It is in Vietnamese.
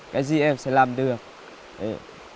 cái gì em sẽ làm được